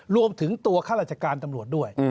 รวมถึงตัวข้าราชการตำรวจด้วย